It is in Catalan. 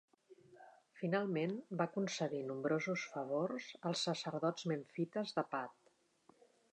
Finalment, va concedir nombrosos favors als sacerdots memfites de Ptah.